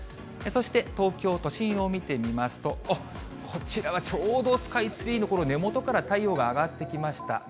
そして、東京都心を見てみますと、こちらはちょうどスカイツリーのこの根元から太陽が上がってきました。